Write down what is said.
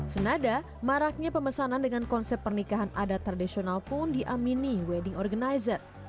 senada maraknya pemesanan dengan konsep pernikahan adat tradisional pun diamini wedding organizer